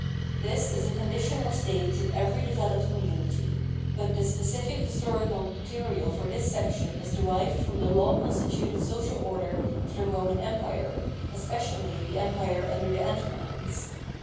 This is a condition or stage in every developed community. But the specific historical material for this section is derived from the law consti tuted social order of the Roman Empire, especially the Empire under the Antonines.